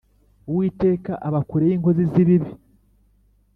uwiteka aba kure y’inkozi z’ibibi